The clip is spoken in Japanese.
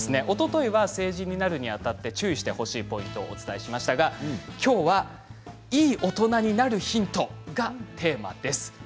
おとといは成人になるにあたって注意してほしいポイントをお伝えしましたがきょうはいい大人になるヒントがテーマです。